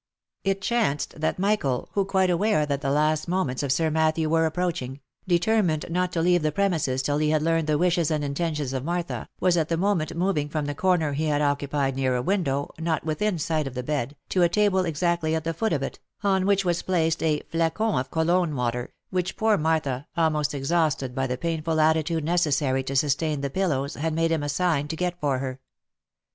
It chanced that Michael, who, quite aware that the last moments of Sir Matthew were approaching, determined not to leave the premises till he had learned the wishes and intentions of Martha, was at that mo ment moving from the corner he had occupied near a window, not within sight of the bed, to a table exactly at the foot of it, on which 364 THE LIFE AND ADVENTURES was placed ajlacon of Cologne water, which poor Martha, almost ex hausted by the painful attitude necessary to sustain the pillows, had made him a sign to get for her.